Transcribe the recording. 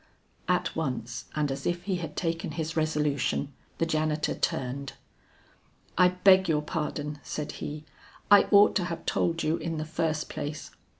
At once and as if he had taken his resolution, the janitor turned. "I beg your pardon," said he, "I ought to have told you in the first place.